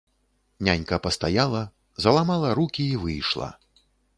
Нянька пастаяла, заламала рукі і выйшла.